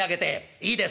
『いいです』？